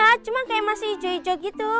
iya cuma kayak masih ijo ijo gitu